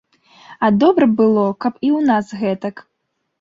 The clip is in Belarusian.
А добра б было, каб і ў нас гэтак.